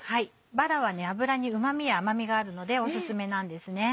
バラは脂にうま味や甘味があるのでオススメなんですね。